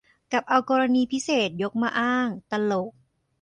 กลับเอากรณีพิเศษยกมาอ้าง ตลก